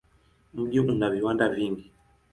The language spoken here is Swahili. Mji una viwanda vingi.